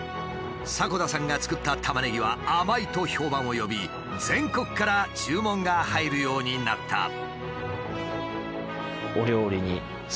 迫田さんが作ったタマネギは甘いと評判を呼び全国から注文が入るようになった。